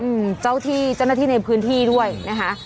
อืมเจ้าที่เจ้าหน้าที่ในพื้นที่ด้วยนะคะ